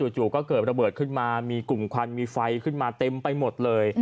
จู่ก็เกิดระเบิดขึ้นมามีกลุ่มควันมีไฟขึ้นมาเต็มไปหมดเลย